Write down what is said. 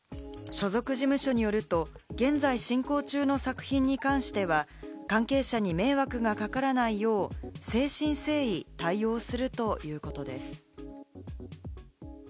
所属事務所によると現在進行中の作品に関しては、関係者に迷惑がかからないよう、誠心誠意対応するということです。